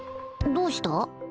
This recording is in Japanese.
どうした？